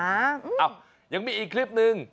อ้าวยังมีอีกคลิปนึง